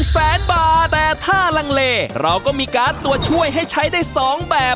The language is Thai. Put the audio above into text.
แสนบาทแต่ถ้าลังเลเราก็มีการ์ดตัวช่วยให้ใช้ได้๒แบบ